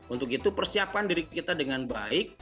untuk itu persiapkan diri kita dengan baik